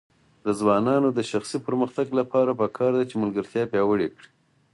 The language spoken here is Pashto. د ځوانانو د شخصي پرمختګ لپاره پکار ده چې ملګرتیا پیاوړې کړي.